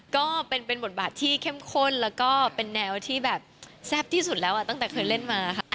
ก็เป็นบทบาทที่เข้มข้นแล้วก็เป็นแนวที่แบบแซ่บที่สุดแล้วตั้งแต่เคยเล่นมาค่ะ